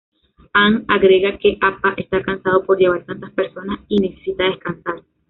Aang agrega que Appa está cansado por llevar tantas personas y necesita descansar.